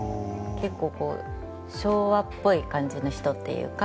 結構こう昭和っぽい感じの人っていうか。